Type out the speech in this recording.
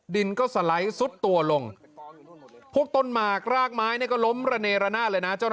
ดินก็สไลด์ซุดตัวลงพวกต้นหมากรากไม้เนี่ยก็ล้มระเนระนาดเลยนะ